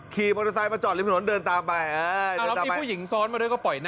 ขี่มอเตอร์ไซด์มาจอดลิฟท์ถนนเดินตามไป